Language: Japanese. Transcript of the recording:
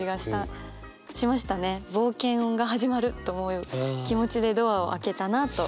冒険が始まると思う気持ちでドアを開けたなと。